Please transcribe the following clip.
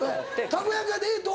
たこ焼きは冷凍？